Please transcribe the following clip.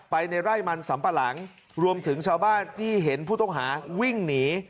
ไปในไร่มันสำปะหลังรวมถึงชาวบ้านที่เห็นผู้ต้องหาวิ่งหนี